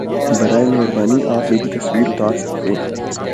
براہ مہربانی آپ میری تصویر اتار سکتے